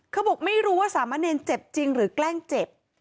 บอกไม่รู้ว่าสามะเนรเจ็บจริงหรือแกล้งเจ็บ